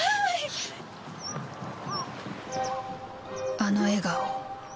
「あの笑顔」